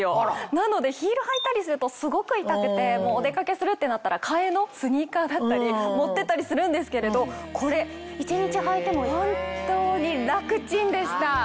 なのでヒール履いたりするとすごく痛くてお出かけするってなったら替えのスニーカーだったり持ってったりするんですけれどこれ一日履いても本当に楽ちんでした。